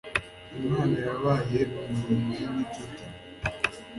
umwana yabaye umurinzi n'inshuti